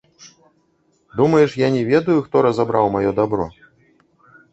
Думаеш, я не ведаю, хто разабраў маё дабро?